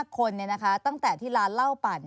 ๔๕คนเนี่ยนะคะตั้งแต่ที่ร้านเล่าปั่น